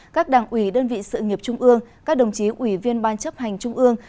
các đảng ủy đơn vị sự nghiệp trung ương các đồng chí ủy viên ban chấp hành trung ương